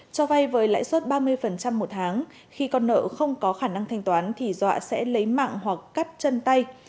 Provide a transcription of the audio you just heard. cho vay với lãi suất ba mươi một tháng khi con nợ không có khả năng thanh toán thì dọa sẽ lấy mạng hoặc cắt chân tay